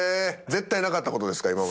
絶対なかったことですか？